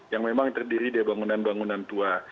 yang memang terdiri dari bangunan bangunan tua